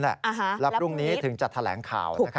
แล้วพรุ่งนี้ถึงจะแถลงข่าว